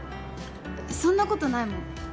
そんなことないもん。